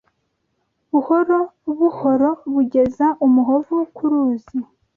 Buhorobuhoro bugeza umuhovu ku ruzi.